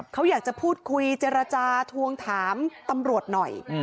เขาอยากจะพูดคุยเจรจาทวงถามตำรวจหน่อย